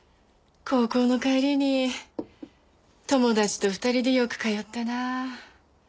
高校の帰りに友達と２人でよく通ったなあ。